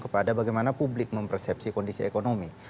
kepada bagaimana publik mempersepsi kondisi ekonomi